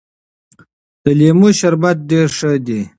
د لیمو شربت ډېر ښه دی.